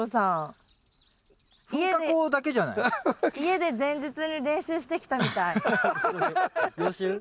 家で前日に練習してきたみたい。予習？